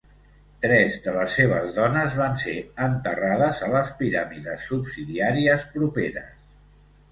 Tres de les seves dones van ser enterrades a les piràmides subsidiàries properes.